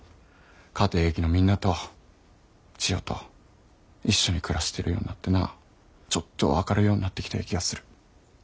家庭劇のみんなと千代と一緒に暮らしてるようなってなちょっとは分かるようなってきてる気がする。